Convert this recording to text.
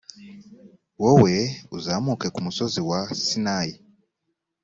wowe uzamuke ku musozi wa sinayi